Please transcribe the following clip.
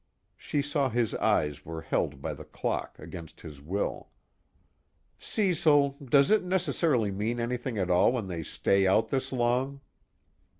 She saw his eyes were held by the clock, against his will. "Cecil, does it necessarily mean anything at all, when they stay out this long?"